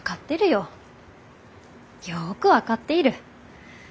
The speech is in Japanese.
よく分かっている。